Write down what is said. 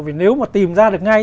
vì nếu mà tìm ra được ngay